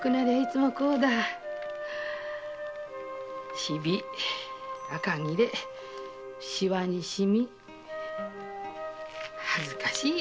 「ひび」「あかぎれ」「しわ」「しみ」恥ずかしいよ汚い手で。